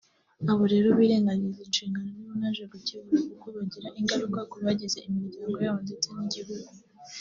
Abo rero birengagiza inshingano nibo naje gukebura kuko bigira ingaruka ku bagize imiryango yabo ndetse n’igihugu